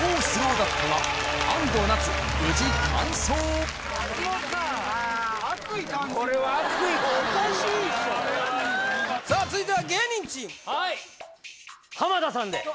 悪意感じるわさあ続いては芸人チーム浜田さんで！